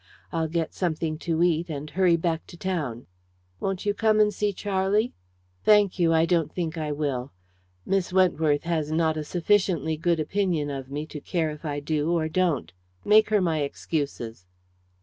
I'll get something to eat and hurry back to town." "Won't you come and see Charlie?" "Thank you, I don't think I will. Miss Wentworth has not a sufficiently good opinion of me to care if I do or don't. Make her my excuses."